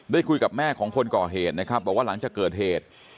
คุยกับแม่ของคนก่อเหตุนะครับบอกว่าหลังจากเกิดเหตุ